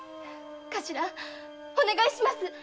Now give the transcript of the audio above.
頭お願いします！